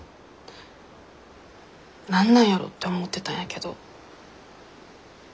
何なんやろって思ってたんやけど。